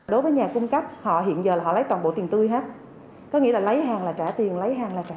đối với nhà cung cấp họ hiện giờ là họ lấy toàn bộ tiền tươi hết có nghĩa là lấy hàng là trả